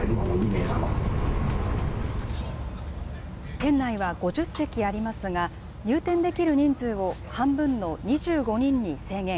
店内は５０席ありますが、入店できる人数を半分の２５人に制限。